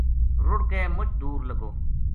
رُڑ کے یوہ مُچ دور لگو